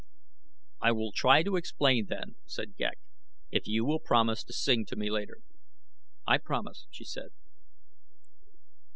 "I will try to explain, then," said Ghek, "if you will promise to sing to me later." "I promise," she said.